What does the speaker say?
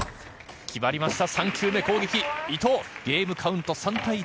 決まりました、３球目攻撃伊藤、ゲームカウント３対１。